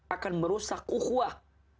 akan merusak uhwah